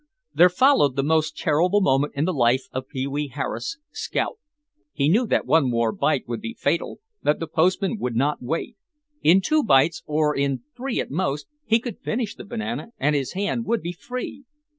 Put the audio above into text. There followed the most terrible moment in the life of Pee wee Harris, Scout. He knew that one more bite would be fatal, that the postman would not wait. In two bites, or in three at most, he could finish the banana and his hand would be free.